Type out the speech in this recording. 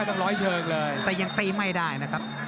ต้องร้อยเชิงเลยแต่ยังตีไม่ได้นะครับ